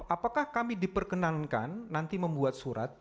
apakah kami diperkenankan nanti membuat surat